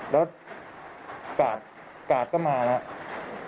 แล้วกาดกาดก็มาแล้ว